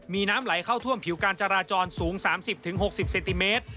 มีน้ำไหลเข้าท่วมผิวการจราจรสูง๓๐๖๐เซนติเมตร